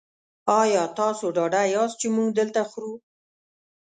ایا تاسو ډاډه یاست چې موږ دلته خورو؟